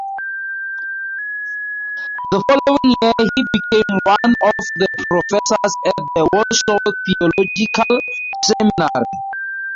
The following year he became one of the professors at the Warsaw Theological Seminary.